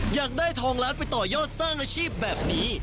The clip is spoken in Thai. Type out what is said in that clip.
อยากได้ทองล้านไปต่อยอดสร้างอาชีพแบบนี้